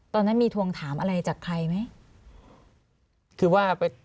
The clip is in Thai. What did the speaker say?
ตอนนั้นมีทวงถามอะไรจากใครไหม